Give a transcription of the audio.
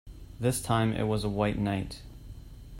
This time it was a White Knight.